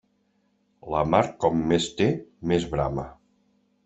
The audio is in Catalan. La mar com més té més brama.